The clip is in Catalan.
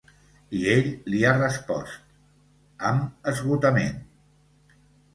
I ell li ha respost: Amb esgotament.